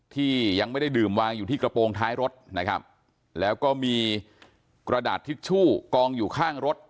ที่ยังไม่ได้ดื่มวางอยู่ที่กระโปรงท้ายรถนะครับแล้วก็มีกระดาษทิชชู่กองอยู่ข้างรถ